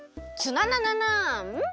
ツナナナナーン？